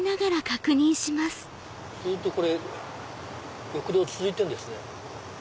ずっと緑道続いてるんですね。